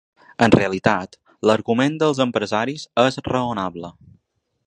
En realitat, l’argument dels empresaris és raonable.